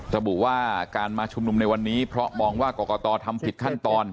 ระบุว่าการมาชุมนุมในวันนี้เพราะมองว่ากรกตทำผิดขั้นตอน